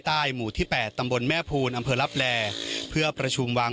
ใต้หมู่ที่แปดตำบลแม่ภูนอำเพิร์ร์รับแรเพื่อประชุมวาง